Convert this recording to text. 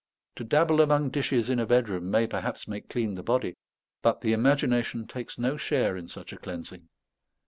To dabble among dishes in a bedroom may perhaps make clean the body; but the imagination takes no share in such a cleansing.